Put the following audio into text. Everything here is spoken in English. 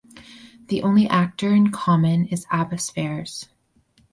The only actor in common is Abbas Fares.